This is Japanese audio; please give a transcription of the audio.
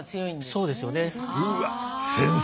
そうですよね。